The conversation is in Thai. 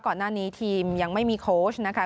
ก่อนหน้านี้ทีมยังไม่มีโค้ชนะคะ